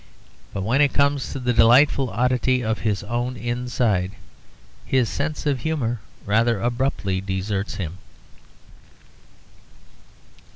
But when it comes to the delightful oddity of his own inside, his sense of humour rather abruptly deserts him.